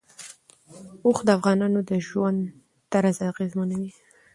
اوښ د افغانانو د ژوند طرز اغېزمنوي.